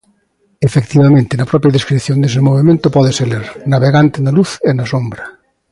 Efectivamente, na propia descrición dese movemento pódese ler: navegante na luz e na sombra.